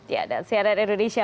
ya dan crn indonesia